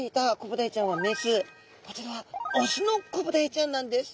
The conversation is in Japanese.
こちらはオスのコブダイちゃんなんです。